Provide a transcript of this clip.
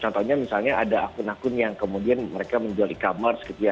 contohnya misalnya ada akun akun yang kemudian mereka menjual e commerce gitu ya